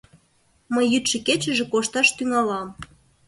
Мый йӱдшӧ-кечыже кошташ тӱҥалам.